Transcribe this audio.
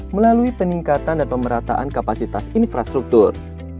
melalui peningkatan dan pemerataan kapasitas infrastruktur